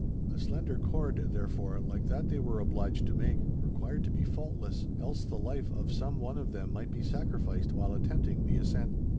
A slender cord, therefore, like that they were obliged to make, required to be faultless else the life of some one of them might be sacrificed while attempting the ascent.